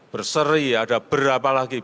berseri ada berapa lagi